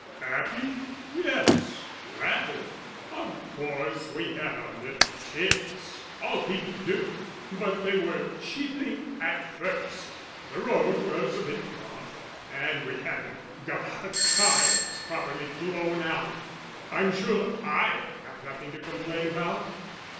"Happy? Yes, rather. Of course we had our little tiffs. All people do. But they were chiefly at first, the road was a bit rough and we hadn't got our tyres properly blown out. I'm sure I've got nothing to complain about."